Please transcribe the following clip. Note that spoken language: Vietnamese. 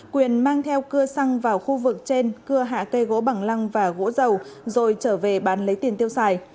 quyền mang theo cưa xăng vào khu vực trên cưa hạ cây gỗ bằng lăng và gỗ dầu rồi trở về bán lấy tiền tiêu xài